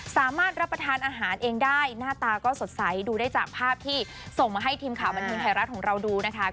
สามารถรับประทานอาหารเองได้หน้าตาก็สดใสดูได้จากภาพที่ส่งมาให้ทีมข่าวบันเทิงไทยรัฐของเราดูนะคะ